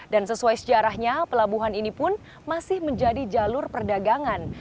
dan sesuai sejarahnya pelabuhan ini pun masih menjadi jalur perdagangan